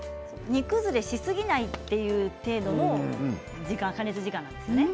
煮崩れしすぎないという程度の加熱時間なんですね。